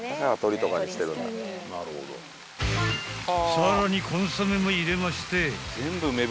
［さらにコンソメも入れまして］